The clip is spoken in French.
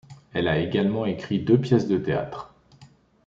Elle a également écrit deux pièces de théâtre.